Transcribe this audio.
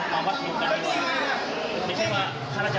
มันไม่จบกว่าที่มันไม่จบกว่าที่